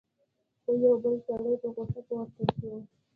خو یو بل سړی په غصه پورته شو: